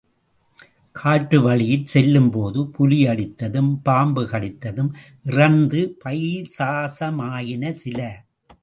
காட்டு வழியிற் செல்லும்போது புலியடித்தும், பாம்பு கடித்தும் இறந்து பைசாசமாயின சில.